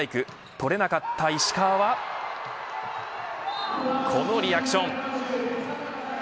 取れなかった石川はこのリアクション。